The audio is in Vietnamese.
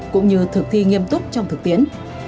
cũng như thực thi nghiêm túc trong thực tiến